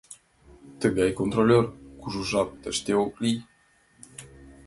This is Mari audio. — Тыгай контролёр кужу жап тыште ок лий.